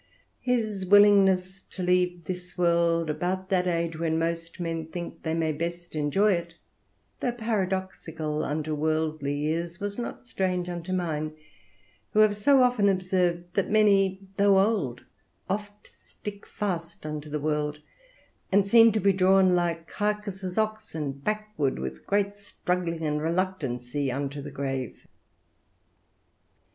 His willingness to leave this world about that age when most men think they may best enjoy it, though paradoxical unto worldly ears, was not strange unto mine, who have so often observed that many, though old, oft stick fast unto the world, and seem to be drawn like Cacus's oxen, backward with great struggling and reluctancy unto the grave.